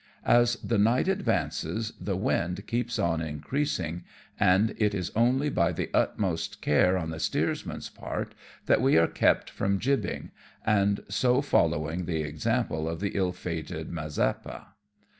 As the night advances the wind keeps on increasing, and it is only by the utmost care on the steersman's part that we are kept from jibbing, and so following the example of the ill fated Mazeppa.